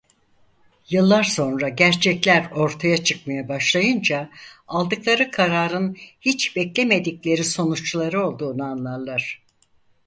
Yıllar sonra gerçekler ortaya çıkmaya başlayınca aldıkları kararın hiç beklemedikleri sonuçları olduğunu anlarlar.